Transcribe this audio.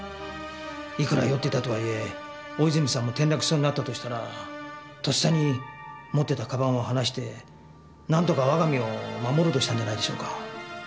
いくら酔っていたとはいえ大泉さんも転落しそうになったとしたらとっさに持っていた鞄を離してなんとか我が身を守ろうとしたんじゃないでしょうか？